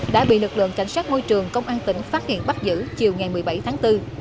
đã bị lực lượng cảnh sát môi trường công an tỉnh phát hiện bắt giữ chiều ngày một mươi bảy tháng bốn